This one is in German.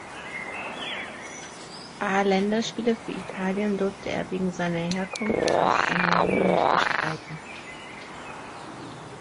A-Länderspiele für Italien durfte er wegen seiner Herkunft aus San Marino nicht bestreiten.